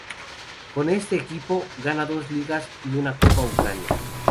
Con este equipo gana dos Ligas y una Copa de Ucrania.